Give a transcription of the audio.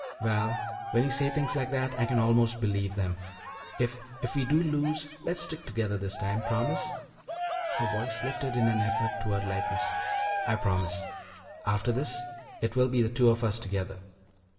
"Val, when you say things like that, I can almost believe them. If if we do lose, let's stick together this time. Promise?" her voice lifted in an effort toward lightness. "I promise. After this it will be the two of us together.